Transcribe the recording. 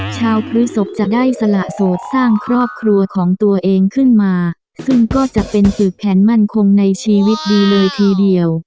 พฤศพจะได้สละโสดสร้างครอบครัวของตัวเองขึ้นมาซึ่งก็จะเป็นสืบแขนมั่นคงในชีวิตดีเลยทีเดียว